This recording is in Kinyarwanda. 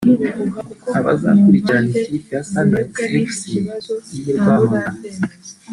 Abazakurikirana ikipe ya Sunrise Fc y’i Rwamagana